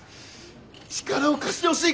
力を貸してほしい。